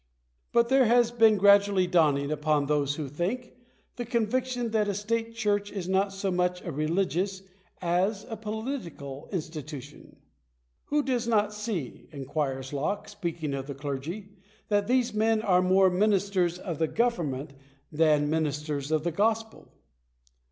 §8. But there has been gradually dawning upon those who think, the conviction that a state church is not so much a religious as a political institution. " Who does not see/' inquires Locke, speaking of the clergy, " that these men are more ministers of the government than ministers of the gospel